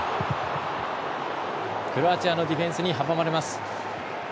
クロアチアのディフェンスに阻まれます。